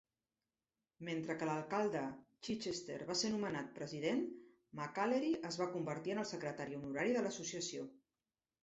Mentre que l'alcalde Chichester va ser nomenat president, McAlery es va convertir en el secretari honorari de l'associació.